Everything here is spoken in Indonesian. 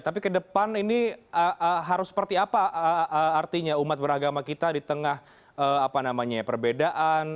tapi ke depan ini harus seperti apa artinya umat beragama kita di tengah perbedaan